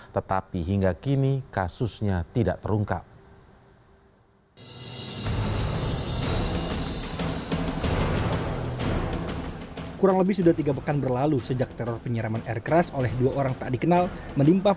tetapi hingga kini kasusnya tidak terungkap